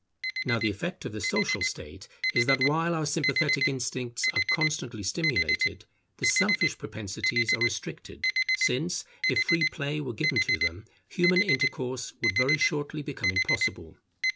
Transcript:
Now the effect of the Social state is, that while our sympathetic instincts are constantly stimulated, the selfish propensities are restricted; since, if free play were given to them, human intercourse would very shortly become impossible.